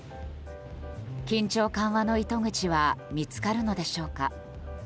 緊張緩和の糸口は見つかるのでしょうか。